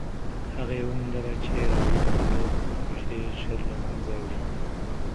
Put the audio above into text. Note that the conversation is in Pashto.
هغې وموندله چې راډیوم ناروغ حجرې ژر له منځه وړي.